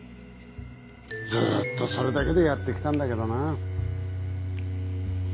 ずっとそれだけでやってきたんだけどなぁ。